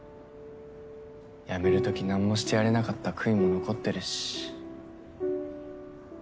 辞めるとき何もしてやれなかった悔いも残ってるし。